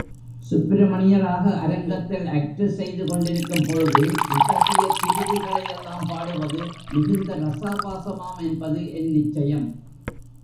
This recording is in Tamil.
சுப்பிரமணியராக அரங்கத்தில் ஆக்டு செய்து கொண்டிருக்கும் பொழுது இத்தகைய கிருதிகளையெல்லாம் பாடுவது மிகுந்த ரசாபாசமாம் என்பது என் நிச்சயம்.